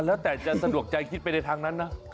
แล้วแต่จะสะดวกใจคิดไปในทางนั้นนะ